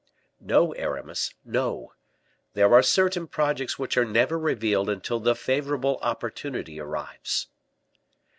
"No, Aramis, no. There are certain projects which are never revealed until the favorable opportunity arrives."